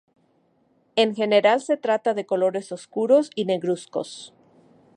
En general se trata de colores oscuros o negruzcos.